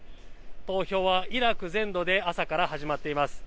投票はイラク全土で朝から始まっています。